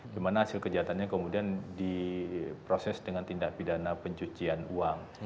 dimana hasil kejahatannya kemudian diproses dengan tindak pidana pencucian uang